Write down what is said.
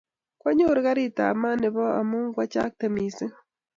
Kwanyoru kariit ab maat nebo let amu kwachakte mising